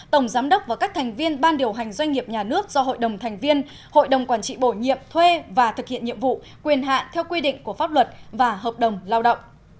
tổng giám đốc và các thành viên ban điều hành doanh nghiệp nhà nước do hội đồng thành viên hội đồng quản trị bổ nhiệm thuê và thực hiện nhiệm vụ quyền hạn theo quy định của pháp luật và hợp đồng lao động